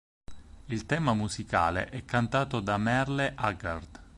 Il tema musicale è cantato da Merle Haggard.